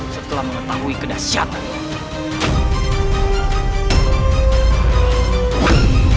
setelah mengetahui kedahsyatanmu